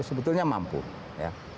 sebetulnya mampu ya